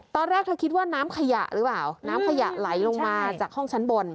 ตอนแรกเธอคิดว่าน้ำขยะหรือเปล่าน้ำขยะไหลลงมาจากห้องชั้นบน